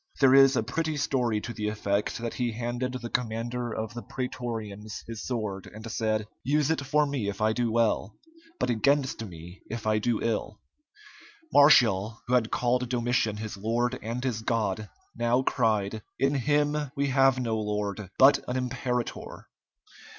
There is a pretty story to the effect that he handed the commander of the prætorians his sword, and said, "Use it for me if I do well, but against me if I do ill." Martial, who had called Domitian his lord and his god, now cried, "In him we have no lord, but an imperator!"